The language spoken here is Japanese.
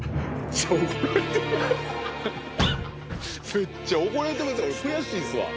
めっちゃ怒られてますよ悔しいっすわ。